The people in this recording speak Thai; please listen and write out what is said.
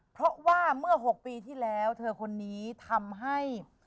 เพราะว่าเมื่อ๖ปีที่แล้วเธอคนนี้ทำให้